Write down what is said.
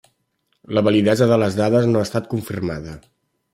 La validesa de les dades no ha estat confirmada.